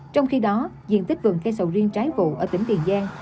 trong khi đó diện tích vườn cây sầu riêng trái vụ ở tỉnh tiền giang